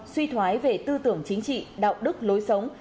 suy thoái về tư tưởng chính trị đạo đức lối sống